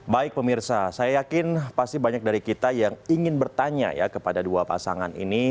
baik pemirsa saya yakin pasti banyak dari kita yang ingin bertanya ya kepada dua pasangan ini